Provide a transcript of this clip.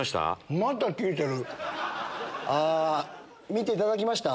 見ていただきました？